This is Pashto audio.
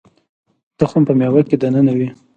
تخم په مېوه کې دننه وي